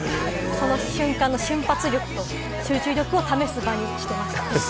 瞬間の瞬発力と集中力を試す場にしていました。